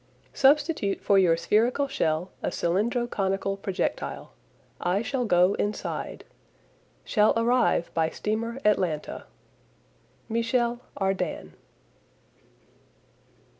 Substitute for your spherical shell a cylindro conical projectile. I shall go inside. Shall arrive by steamer Atlanta. MICHEL ARDAN.